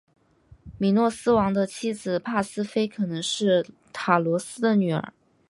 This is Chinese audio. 米诺斯王的妻子帕斯菲可能是塔罗斯的女儿。